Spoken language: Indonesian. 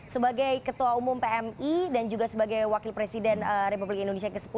sebagai ketua umum pmi dan juga sebagai wakil presiden republik indonesia ke sepuluh